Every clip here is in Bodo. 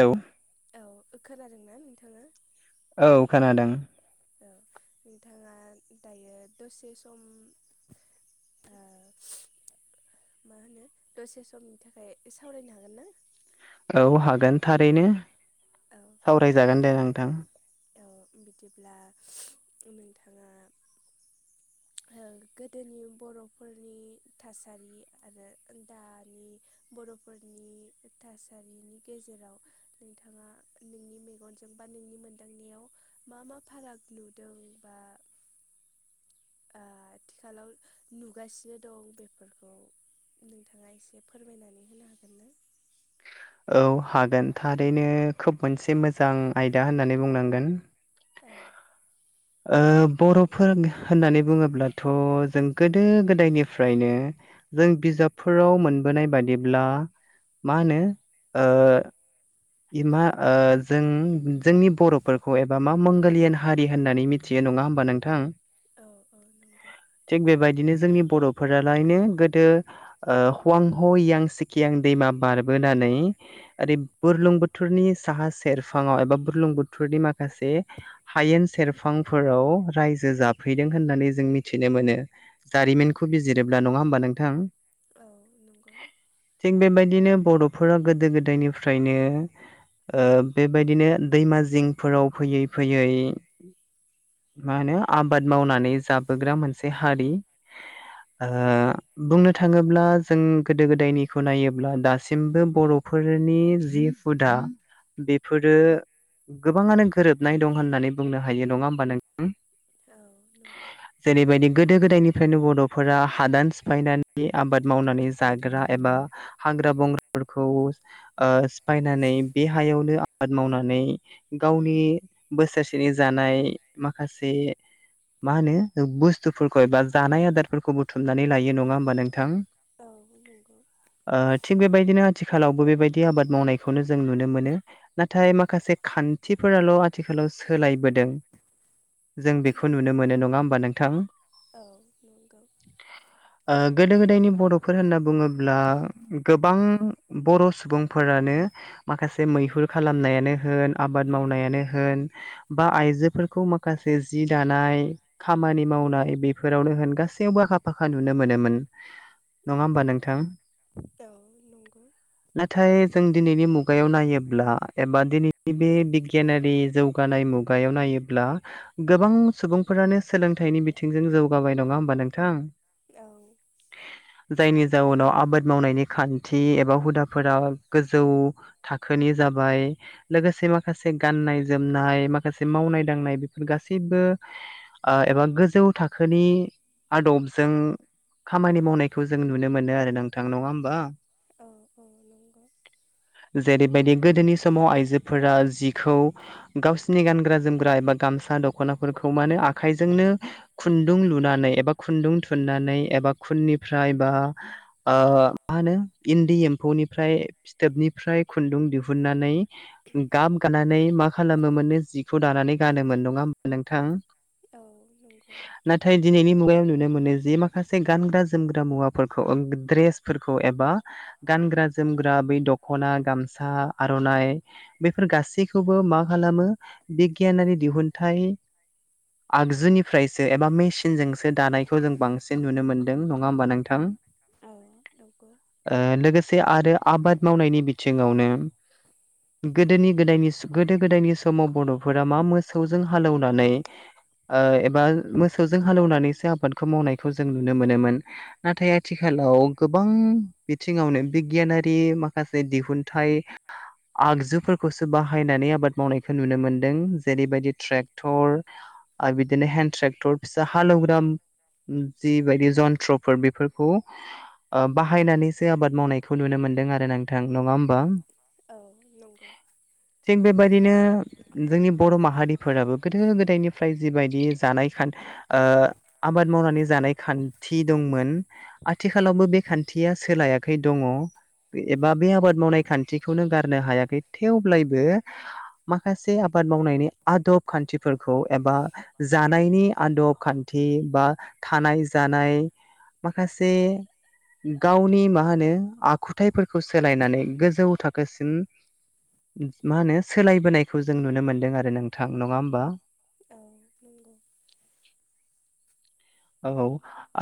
हेलौ औ खोनादों ना नोंथाङा औ खोनादों औ नोंथाङा दायो दसे सम आ मा होनो दसे समनि थाखाय सावरायनो हागोन ना औ हागोन थारैनो औ ओ सावरायजागोन दे नोंथां औ बिदिब्ला नोंथाङा गोदोनि बर'फोरनि थासारि आरो दानि बर'फोरनि थासारिनि गेजेराव नोंथाङा नोंनि मेगनजों बा नोंनि मोनदांनायाव मा मा फाराग नुदों बा आथिखालाव नुगासिनो दं बेफोरखौ नोंथाङा एसे फोरमायनानै होनो हागोन ना औ हागोन थारैनो खोब मोनसे मोजां आयदा होननानै बुंनांगोन औ बर' फोरा होननानै बुङोब्लाथ' जों गोदो गोदायनिफ्रायनो जों बिजाबफोराव मोनबोनाय बादिब्ला मा होनो मा जों जोंनि बर'फोरखौ एबा मा मंगलियान हारि होननानै मिथि मिथियो नङा होमबा नोंथां औ औ नंगौ थिग बेबायदिनो जोंनि बर'फोरालायनो गोदो हवां ह यां सिकियां दैमा बारबोनानै ओरै बुरलुंबुथुरनि साहा सेरफाङाव एबा बुरलुं बोथोरनि माखा माखासे हायेन सेरफांफोराव रायजो जाब फैदों होननानै जों मिथिनो मोनो जारिमिनखौ बिजिरोब्ला नङा होमबा नोंथां औ नंगौ थिग बेबायदिनो बर'फोरा गोदो गोदायनिफ्रायनो बेबायदिनो दैमा जिंफोराव फैयै फैयै मा होनो आबाद मावनानै जाबोग्रा मोनसे हारि ओ बुंनो थाङोब्ला जों गोदो गोदायनिखौ नायोब्ला दासिमबो बर'फोरनि जि हुदा बेफोरो गोबाङानो गोरोबनाय दं होननानै बुंनो हायो नङा होमबा नों औ नंगौ जेरैबायदि गोदो गोदायनिफ्रायनो बर'फोरा हादान सिफायनानै आबाद मावनानै जाग्रा एबा हाग्रा बंग्राफोरखौ सिफायनानै बे हायावनो आबाद मावनानै गावनि बोसोरसेनि जानाय माखासे मा होनो बुस्थुफोरखौ एबा औ जानाय आदारफोरखौ बुथुमनानै लायो नङा होमबा नोंथां औ नंगौ थिग बेबायदिनो आथिखालावबो बेबायदि आबाद मावनायखौनो जों नुनो मोनो नाथाय माखासे खान्थिफोराल' आथिखालाव सोलायबोदों जों बेखौ नुनो मोनो नङा होमबा नोंथां औ नंगौ गोदो गोदायनि बर'फोर होनना बुङोब्ला गोबां बर' सुबुं फोरानो माखासे मैहुर खालामनायानो होन आबाद मावनायानो होन बा आइजोफोरखौ माखासे जि दानाय खामानि मावनाय बेफोरावनो होन गासैयावबो आखा फाखा नुनो मोनोमोन नङा होमबा नोंथां औ नंगौ नाथाय जों दिनैनि मुगायाव नायोब्ला एबा दिनैनि बे बिगियानारि जौ खुगानाय मुगायाव नायोब्ला गोबां सुबुंफोरानो सोलोंथाइनि बिथिंजों जौगाबाय नङा होमबा नोंथां औ जायनि जाउनाव आबाद मावनायनि खान्थि एबा हुदा फोरा गोजौ थाखोनि जाबाय लोगोसे माखासे गाननाय-जोमनाय माखासे मावनाय -दांनाय बेफोर गासैबो ओ एबा गोजौ थाखोनि आदबजों खामानि मावनायखौ जों नुनो मोनो आरो नोंथां नङा होमबा? औ औ नंगौ जेरैबायदि गोदोनि समाव आइजोफोरा जिखौ गावसिनि गानग्रा- जोमग्रा एबा गामसा, दख'नाफोरखौ मानो आखाइजोंनो खुन्दुं लुनानै एबा खुन्दुं थुननानै एबा खुननिफ्राय बा मा होनो इन्दि एम्फौनिफ्राय फिथोबनिफ्राय खुन्दुं दिहुननानै गाब गानानै मा खालामो मोननो जिखौ दानानै गानोमोन नङा नोंथां? औ नंगौ नाथाय दिनैनि मुगायाव नुनो मोनो जि माखासे गानग्रा- जोमग्रा मुवाफोरखौ द्रेस फोरखौ एबा गानग्रा -जोमग्रा बै दख'ना, गामसा, आर'नाइ बेफोर गासैखौबो मा खालामो बिगियानारि दिहुनथाइ आगजुनिफ्रायसो एबा मेसिनजोंसो दानायखौ जों बांसिन नुनो मोन्दों नङा होमबा नोंथां? थां औ नंगौ। लोगोसे आरो आबाद मावनायनि बिथिङावनो गोदोनि गोदायनि गोदो- गोदायनि समाव बर'फोरा मा मो सौजों हालेवनानै एबा मोसौजों हालेवनानैसो आबाद खौ मावनायखौ जों नुनो मोनोमोन नाथाय आथिखालाव गोबां बिथिङावनो बिगियानारि माखासे दिहुनथाइ आगजुफोरखौसो बाहायनानै आबाद मावनायखौ नुनो मोन्दों जेरैबायदि ट्रेक्टर आरो बिदिनो हेन्द ट्रेक्टर फिसा हालेवग्रा जिबायदि जन्थ्र'फोर बेफोरखौ बाहायनानैसो आबाद माव खौ नुनो मोन्दों आरो नोंथां नङा होमबा? थिग बेबादिनो जोंनि बर' माहारिफोराबो गोदो गोदायनिफ्राय जिबायदि जानाय खान ओ आबाद मावनानै जानाय खान्थि दंमोन। आथिखालावबो बे खान्थिया सोलायाखै दङ एबा बे आबाद मावनाय खान्थिखौनो गारनो हायाखै थेवब्लायबो माखासे आबाद मावनायनि आदब खान्थिफोरखौ एबा जानायनि आदब खान्थि बा थानाय जानाय माखासे गावनि मा होनो आखुथायफोरखौ सोलायनानै गोजौ थाखोसिम मा होनो सोलायबोनायखौ जों नुनो मोनदों आरो नोंथां नङा होमबा? औ नंगौ। औ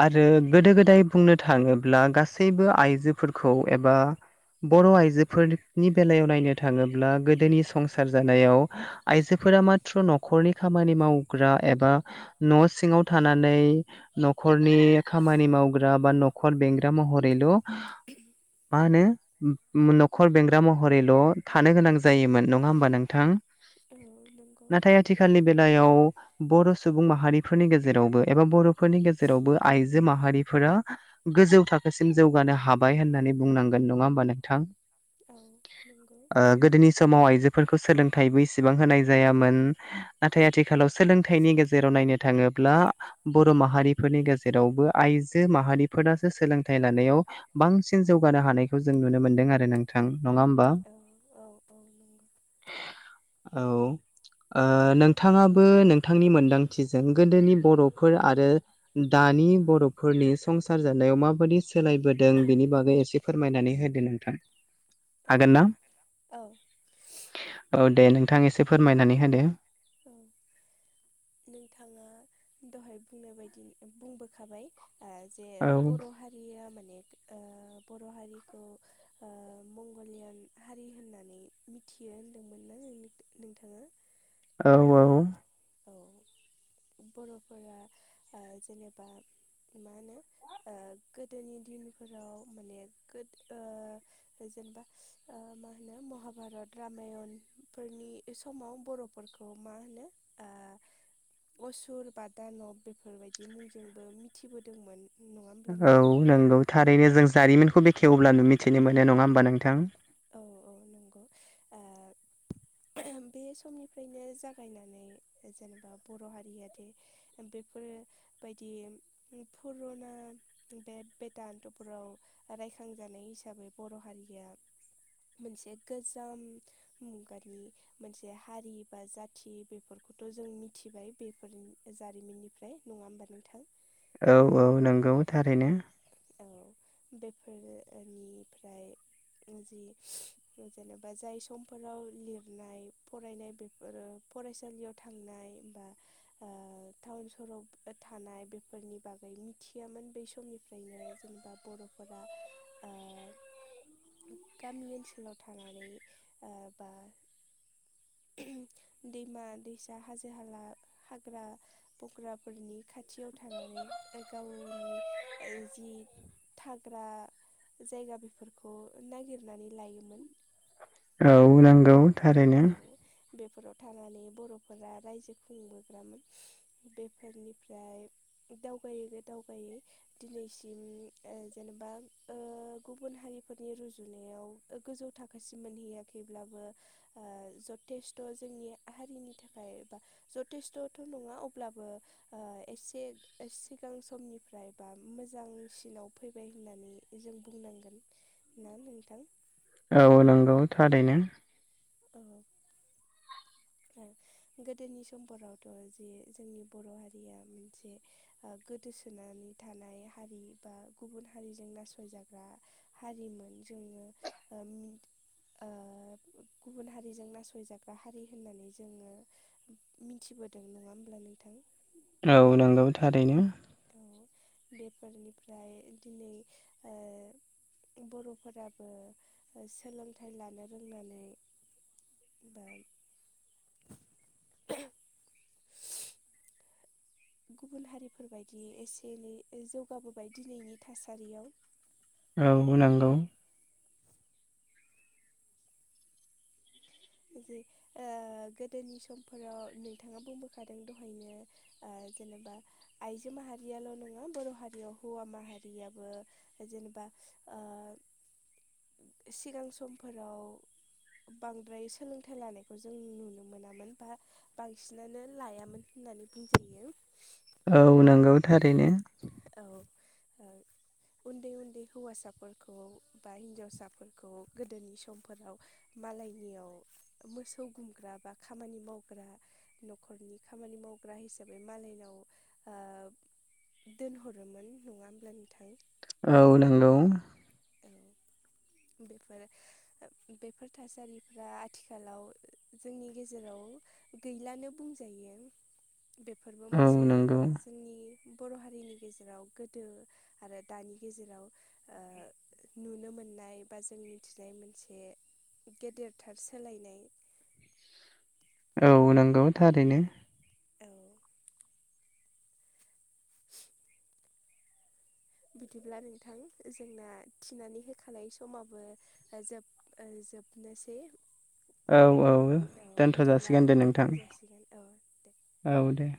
आरो गोदो गोदाय बुंनो थाङोब्ला गासैबो आइजो फोरखौ एबा बर' आइजोफोरनि बेलायाव नायनो थाङोब्ला गोदोनि संसार जानायाव आइजोफोरा माथ्र' न'खरनि खामानि मावग्रा एबा न' सिङाव थानानै न'खरनि खामानि मावग्रा बा न'खर बेंग्रा महरैल' मा होनो न'खर बेंग्रा महरैल' थानो गोनां जायोमोन नङा होमबा नोंथां? औ नंगौ। नाथाय आथिखालनि बेलायाव बर' सुबुं माहारिफोरनि गेजेरावबो एबा बर'फोरनि गेजेरावबो आइजो माहारिफोरा गोजौ थाखोसिम जौगानो हाबाय होननानै बुंनांगोन नङा होमबा नोंथां? औ नंगौ। गोदोनि समाव आइजोफोरखौ सोलोंथाइबो इसेबां होनाय जायामोन। नाथाय आथिखालाव सोलोंथाइनि गेजेराव नायनो थाङोब्ला। बर' माहारिफोरनि गेजेरावबो आइजो माहारिफोरासो सोलोंथाइ लानायाव बांसिन जौगानो हानायखौ जों नुनो मोनदों आरो नों। थां नङा होमबा औ औ औ नंगौ औ। नोंथाङाबो नोंथांनि मोन्दांथिजों गोदोनि बर'फोर आरो। दानि बर'फोरनि संसार जानायाव माबायदि सोलायबोदों बेनि बागै एसे फोरमायनानै होदो नोंथां। हागोन ना औ औ औ। औ दे नोंथां एसे फोरमायनानै होदो। औ। नोंथाङा दहाय बुंनाय बायदि बुंबोखाबाय। जे औ बर' हारिया माने बर' हारिखौ मंगलियान हारि होननानै मिथियो होनदोंमोन ना नोंथाङा। औ औ। औ बर'फोरा जेनेबा मा होनो गोदोनि दिनफोराव माने गो जेनेबा मा होनो महाभारत रामायणफोरनि समाव बर' फोरखौ मा होनो असुर बा दानब बेफोरबायदि मुंजोंबो मिथिबोदोंमोन। नङा होमब्ला नोंथां? औ नंगौ थारैनो जों जारिमिनखौ बेखेवब्लानो मिथिनो मोनो नङा होमबा नोंथां। औ औ नंगौ। बे समनिफ्रायनो जागायनानै जेनेबा बर' हारिया दि बेफोर बायदि। पुरुना बेट बेदान्थ'फोराव रायखांजानाय हिसाबै बर' हारिया मोनसे गोजाम मुगानि मोनसे हारिबा जाथि बेफोरखौथ' जों मिथिबाय बेफोरनि जारिमिननिफ्राय। नङा होमबा नोंथां। औ औ नंगौ थारैनो। औ बेफोरोनिफ्राय जि जेनेबा जाय समफोराव लिरनाय फरायनाय बेफोरो फरायसालियाव थांनाय होमबा। टाउन सहराव थानाय बेफोरनि बागै मिथियामोन बै समनिफ्राय ओमफ्रायनो जेनेबा बर'फोरा गामि ओनसोलाव थनानै बा दैमा दैसा हाजो हाला हाग्रा बंग्राफोरनि खाथियाव थानानै गावनि जि थाग्रा जायगा बेफोरखौ नागिरनानै लायोमोन। औ नंगौ। थारैनो औ बेफोराव थानानै बर'फोरा रायजो खुंबोग्रामोन। बेफोरनिफ्राय दावगायोबो दावगै दिनैसिम ओ जेनेबा ओ गुबुन हारिफोरनि रुजुनायाव गोजौ थाखोसिम मोनहैयाखैब्लाबो ओ जथेस्थ' जोंनि हारिनि थाखाय बा जथेस्थ'थ' नङा अब्लाबो एसे सिगां समनिफ्राय बा मोजांसिनाव फैबाय होननानै जों बुंनांगोन ना नोंथां औ नंगौ थारैनो औ गोदोनि समफोरावथ' जे जोंनि बर' हारिया मोनसे गोदोसोनानै थानाय हारि बा गुबुन हारिजों नासय जाग्रा हारिमोन जोङो ओ गुबुन हारिजों नासयजाग्रा हारि होननानै जोङो मिथिबोदों नङा होमब्ला नोंथां औ नंगौ थारैनो औ बेफारिनिफ्राय दिनै बर'फोराबो सोलोंथाइ लानो रोंनानै दा गुबुन हारिफोरबायायदि एसे एनै जौगाबोबाय दिनैनि थासारियाव औ नंगौ जि ओ गोदोनि समफोराव नोंथाङा बुंबोखादों दहायनो ओ जेनेबा आइजो माहारियाल' नङा बर' हारियाव हौवा माहारियाबो जेनेबा सिगां समफोराव बांद्राय सोलोंथाइ लानायखौ जों नुनो मोनामोन बा बांसिनानो लायामोन होननानै बुंजायो औ नंगौथारैनो औ उन्दै उन्दै हौवासाफोरखौ बा हिनजावसाफोरखौ गोदोनि समफोराव मालायनियाव मोसौ गुमग्रा बा खामानि मावग्रा न'खरनि खामानि मावग्रा हिसाबै मालायनाव दोनहरोमोन नङा होमब्ला नोंथां औ नंगौ बेफोरो बेफोर थासारिफ्रा आथिखालाव जोंनि गेजेराव गैलानो बुंजायो बेफोरबो औ मोनसे नंगौ जोंनि बर' हारिनि गेजेराव गोदो आरो दानि गेजेराव ओ नुनो मोननाय बा जों मिथिनाय मोनसे गेदेरथार सोलायनाय औ नंगौ थारैनो औ बिदिब्ला नोंथां जोंना थिनानै होखानाय समाबो जोब ओ जोबनोसै औ औ औ दोनथ' बिदिब्ला जासिगोन दे नोंथां दोनथ' जासिगोन औ औ दे